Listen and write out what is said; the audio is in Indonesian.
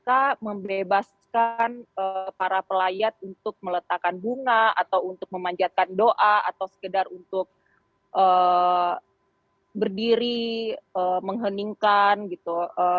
ada juga untuk memanjatkan bunga atau untuk memanjatkan doa atau sekedar untuk berdiri mengheningkan gitu